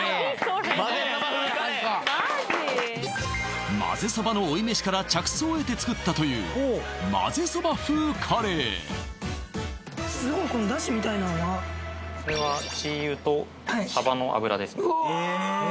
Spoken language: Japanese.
カレーまぜそばの追い飯から着想を得て作ったというまぜそば風カレーすごいこのだしみたいなのがそれは鶏油とさばの油ですへえ